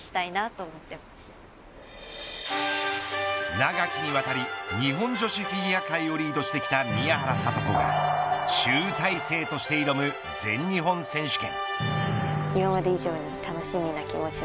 長きにわたり日本女子フィギュア界をリードしてきた宮原知子が集大成として挑む全日本選手権。